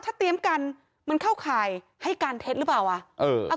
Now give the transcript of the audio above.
ถ้าเตรียมกันมันเข้าข่ายให้การเท็จหรือเปล่าอ่ะ